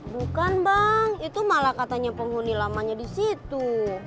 bukan bang itu malah katanya penghuni lamanya di situ